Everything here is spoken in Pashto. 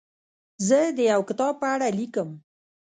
زه د یو کتاب په اړه لیکم.